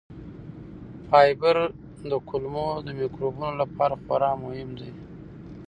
فایبر د کولمو مایکروبونو لپاره خورا مهم دی.